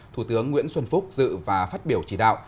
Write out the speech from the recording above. thủ tướng nguyễn xuân phúc dự và phát biểu chỉ đạo